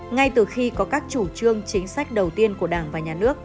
ngay từ khi có các chủ trương chính sách đầu tiên của đảng và nhà nước